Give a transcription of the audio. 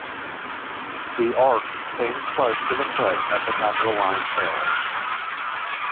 The Arch stands close to the foot of the Capitoline Hill.